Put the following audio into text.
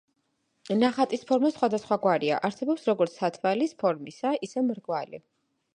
ნახატის ფორმა სხვადასხვაგვარია, არსებობს როგორც სათვალის ფორმისა, ისე მრგვალი.